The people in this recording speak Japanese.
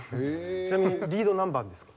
ちなみにリード何番ですか？